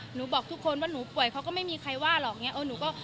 หนูบอกทุกคนว่าหนูป่วยเค้าก็ไม่มีใครว่าหรอก